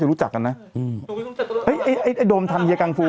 รู้จักไหมเฮียกังฟู